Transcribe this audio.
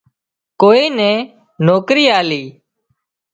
ڪوئي نين نوڪرِي آلي